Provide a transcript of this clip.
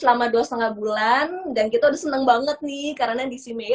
menjaga kesehatan dan keamanan kita juga harus menjaga kesehatan dan keamanan kita juga untuk menjaga